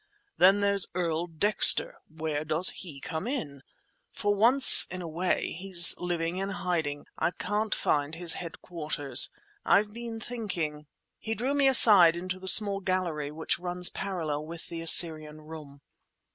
Then there's Earl Dexter. Where does he come in? For once in a way he's living in hiding. I can't find his headquarters. I've been thinking—" He drew me aside into the small gallery which runs parallel with the Assyrian Room.